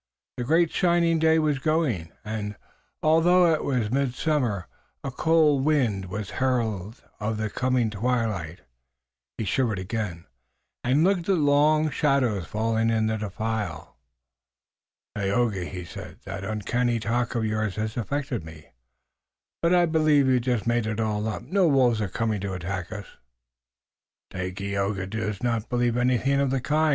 The great shining day was going, and, although it was midsummer, a cold wind was herald of the coming twilight. He shivered again, and looked at the long shadows falling in the defile. "Tayoga," he said, "that uncanny talk of yours has affected me, but I believe you've just made it all up. No wolves are coming to attack us." "Dagaeoga does not believe anything of the kind.